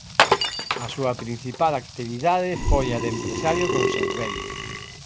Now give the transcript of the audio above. A súa principal actividade foi a de empresario conserveiro.